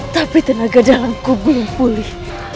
tapi tenaga jalanku belum pulih